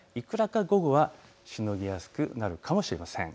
午後はしのぎやすくなるかもしれません。